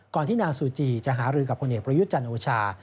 ก่อนที่นางซูจีจะหารืนกับคนเด็กประยุทธ์จันทร์โอชา